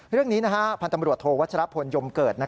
เรื่องนี้นะฮะพันธมรวชโทวัชรัพย์พวนยมเกิด